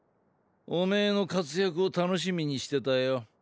おめぇの活躍を楽しみにしてたよ。